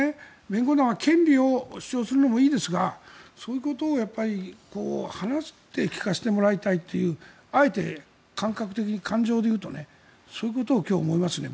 弁護団は権利を主張するのもいいですがそういうことを話して聞かせてもらいたいというあえて感覚的に感情で言うとそういうことを今日、思いますね